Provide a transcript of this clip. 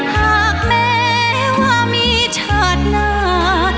หากแม้ว่ามีชาติหน้า